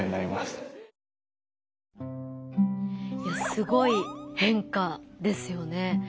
いやすごい変化ですよね。